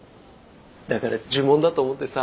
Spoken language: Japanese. だから呪文だと思ってさ。